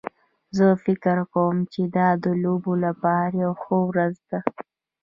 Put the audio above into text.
زه فکر کوم چې دا د لوبو لپاره یوه ښه ورځ ده